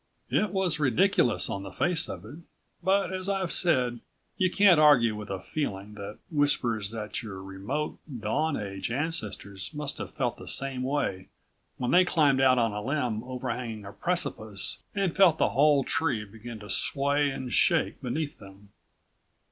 It was ridiculous on the face of it. But, as I've said, you can't argue with a feeling that whispers that your remote, dawn age ancestors must have felt the same way when they climbed out on a limb overhanging a precipice, and felt the whole tree begin to sway and shake beneath them.